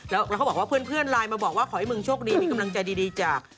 แล้วเขาบอกว่าเพื่อนไลน์มาบอกว่าขอให้มึงโชคดีมีกำลังใจดีจาก